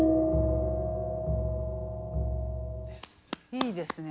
いいですね。